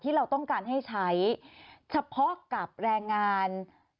เราต้องการให้ใช้เฉพาะกับแรงงาน